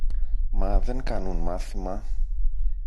Μα, δεν κάνουν μάθημα.